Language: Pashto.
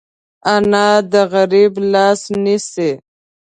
انا د غریب لاس نیسي